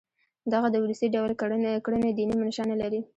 دغه د وروستي ډول کړنې دیني منشأ نه لري.